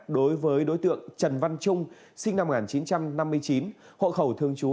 đối với đối tượng trần văn trung sinh năm một nghìn chín trăm năm mươi chín hộ khẩu thường trú